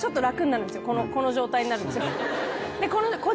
この状態になるんですよ。